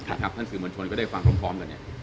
ท่านสื่อมวลชนก็ได้ฟังพร้อมกันเนี่ย